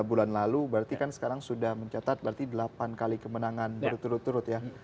tiga bulan lalu berarti kan sekarang sudah mencatat berarti delapan kali kemenangan berturut turut ya